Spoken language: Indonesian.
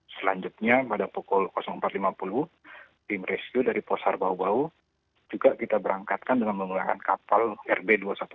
selanjutnya pada pukul empat lima puluh tim rescue dari posar bau bau juga kita berangkatkan dengan menggunakan kapal rb dua ratus sepuluh